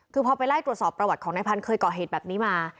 คือพอไปไล่ตรวจสอบประวัติของนายพันธ์เคยก่อเหตุแบบนี้มา